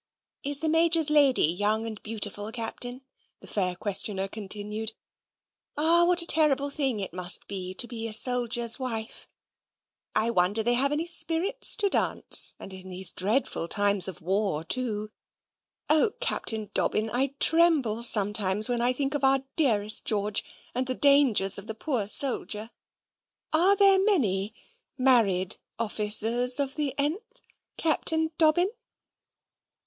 "Is the Major's lady young and beautiful, Captain?" the fair questioner continued. "Ah, what a terrible thing it must be to be a soldier's wife! I wonder they have any spirits to dance, and in these dreadful times of war, too! O Captain Dobbin, I tremble sometimes when I think of our dearest George, and the dangers of the poor soldier. Are there many married officers of the th, Captain Dobbin?"